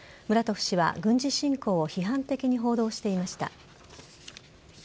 ムラトフ氏は軍事侵攻を批判的に報道していました。